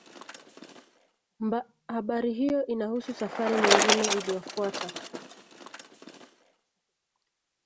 Habari hiyo inahusu safari nyingine iliyofuata.